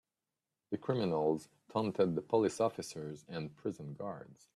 The criminals taunted the police officers and prison guards.